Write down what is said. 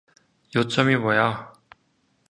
요점이 뭐야?